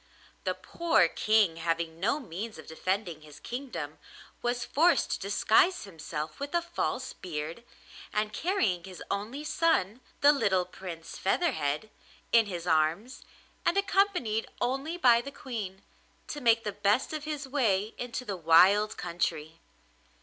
The poor King, having no means of defending his kingdom, was forced to disguise himself with a false beard, and carrying his only son, the little Prince Featherhead, in his arms, and accompanied only by the Queen, to make the best of his way into the wild country.